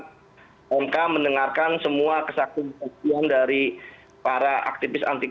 bahwa mk mendengarkan semua kesaksian